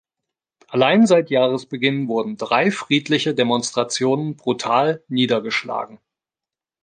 Allein seit Jahresbeginn wurden drei friedliche Demonstrationen brutal niedergeschlagen.